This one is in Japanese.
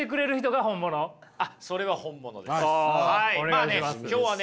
まあね今日はね